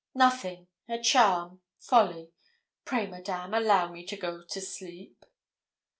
'Nothing a charm folly. Pray, Madame, allow me to go to sleep.'